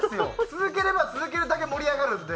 続ければ続けるだけ盛り上がるんで。